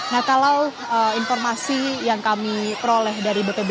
nah kalau informasi yang kami peroleh dari bpbd